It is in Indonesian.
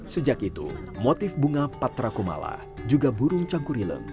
sejak itu motif bunga patra kumala juga burung cangkurileng